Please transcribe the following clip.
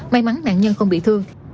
may mắn nạn nhân không bị thương